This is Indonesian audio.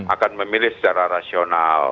akan memilih secara rasional